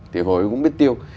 thì hồi ấy cũng biết tiêu